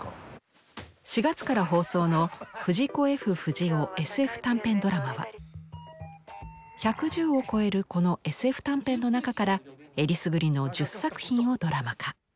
４月から放送の「藤子・Ｆ・不二雄ＳＦ短編ドラマ」は１１０を超えるこのＳＦ短編の中からえりすぐりの１０作品をドラマ化。